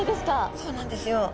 そうなんですよ。